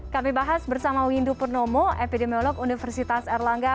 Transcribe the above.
kami bahas bersama windu purnomo epidemiolog universitas erlangga